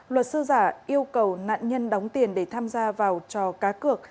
luật sư giả yêu cầu nạn nhân đóng tiền để tham gia vào trò cá cược